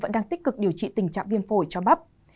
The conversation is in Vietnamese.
vẫn đang tích cực điều trị tình trạng viêm phổi cho bắp